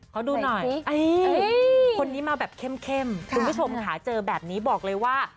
ขอดูหน่อยคนนี้มาแบบเข้มคุณผู้ชมค่ะเจอแบบนี้บอกเลยว่า